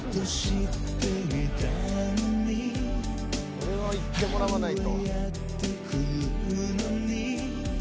これはいってもらわないと。